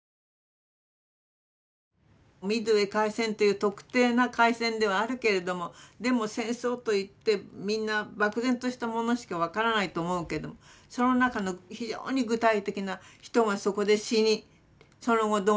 ミッドウェー海戦という特定な海戦ではあるけれどもでも戦争といってみんな漠然としたものしか分からないと思うけどその中の非常に具体的な人がそこで死にその後どうなったかと。